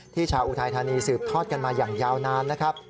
ชาวอุทัยธานีสืบทอดกันมาอย่างยาวนานนะครับ